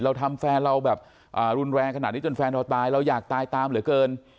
เราทำแฟนเราแบบรุนแรงขนาดนี้จนแฟนเราตายเราอยากตายตามเหลือเกิน